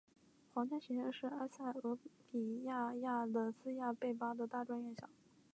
皇家学院是埃塞俄比亚亚的斯亚贝巴的大专院校。